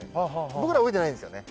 僕らは泳いでないんですよね。